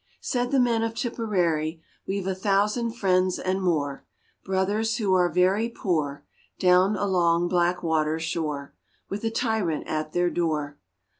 Said the men of Tipperary :" We've a thousand friends and more, Brothers who are very poor, Down along Blackwater shore, With a tyrant at their door.